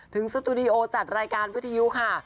สตูดิโอจัดรายการวิทยุค่ะ